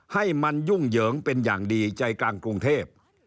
ให้มันยุ่งเหยิงเป็นอย่างดีใจกลางกรุงเทพ